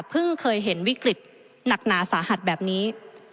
เคยเห็นวิกฤตหนักหนาสาหัสแบบนี้